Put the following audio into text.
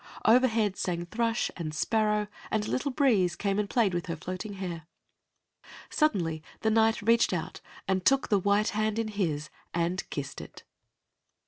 Overhead sang thrush and sparrow, and a little breeze came and played with her floating hair. Suddenly the Knight reached out and took the white hand in his and kissed it.